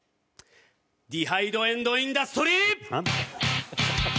ディハイドエンドインダストリー！